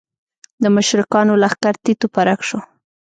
د مشرکانو لښکر تیت و پرک شو.